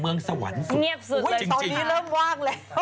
เมืองสวรรค์เงียบสุดตอนนี้เริ่มว่างแล้ว